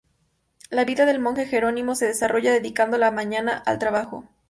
La vida del monje jerónimo se desarrolla dedicando la mañana al trabajo.